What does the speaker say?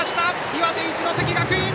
岩手・一関学院。